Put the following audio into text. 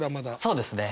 そうですね！